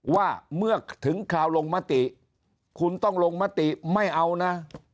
ว่าเมื่อถึงคราวลงมติคุณต้องลงมติไม่เอานะ